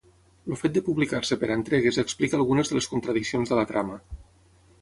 El fet de publicar-se per entregues explica algunes de les contradiccions de la trama.